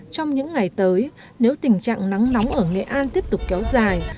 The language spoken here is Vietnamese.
trong những ngày tới nếu tình trạng nắng nóng ở nghệ an tiếp tục kéo dài